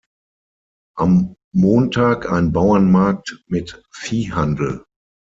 Am Montag ein Bauernmarkt mit Viehhandel.